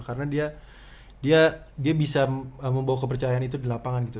karena dia bisa membawa kepercayaan itu di lapangan gitu